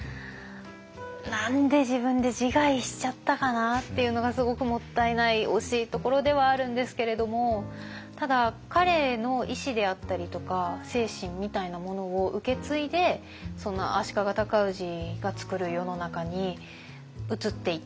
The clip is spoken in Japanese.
何で自分で自害しちゃったかなっていうのがすごくもったいない惜しいところではあるんですけれどもただ彼の意思であったりとか精神みたいなものを受け継いでその足利尊氏が作る世の中に移っていった。